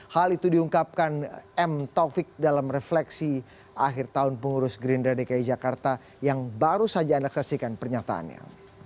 hal itu diungkapkan m taufik dalam refleksi akhir tahun pengurus gerindra dki jakarta yang baru saja anda saksikan pernyataannya